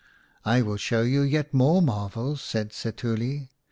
" I will show you yet more marvels," said Setuli.